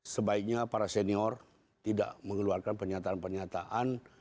sebaiknya para senior tidak mengeluarkan pernyataan pernyataan